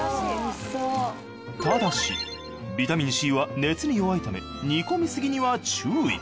ただしビタミンＣは熱に弱いため煮込みすぎには注意。